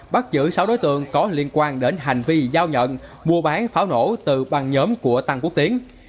bắt giữ sáu đối tượng có liên quan đến hành vi giao nhận mua bán pháo nổ từ băng nhóm của tăng quốc tiến